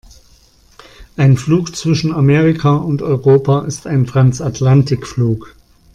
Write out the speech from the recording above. Ein Flug zwischen Amerika und Europa ist ein Transatlantikflug.